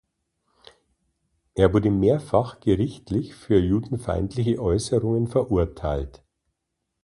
Er wurde mehrfach gerichtlich für judenfeindliche Äußerungen verurteilt.